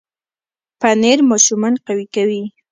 پنېر ماشومان قوي کوي.